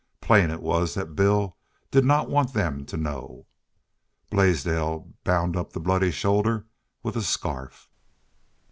Plain is was that Bill did not want them to know. Blaisdell bound up the bloody shoulder with a scarf.